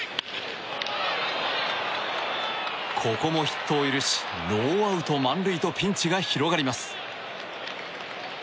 ここもヒットを許しノーアウト満塁とピンチが広がります。